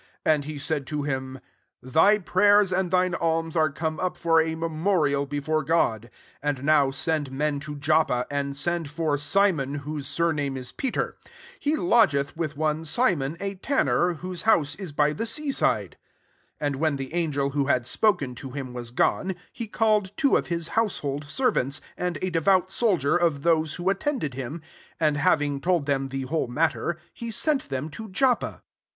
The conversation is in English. And he said to him, " Thy prayers and thine alms are come up for a memorial before God. 5 And now send men to Joppa, and send for Si mon, whose surname is Peter: 6 he lodgeth with oqe Simon a tanner, whose house is by, the sea sfrftf." 7 And when the an gel who had spoken to him wasi gone, he called two of [Am] I household servants, and a de vout soldier of those who at tended him ; 8 and, having told them the whole matter, he sent them to Joppa.